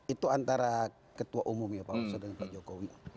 itu antara ketua umum ya pak oso dan pak jokowi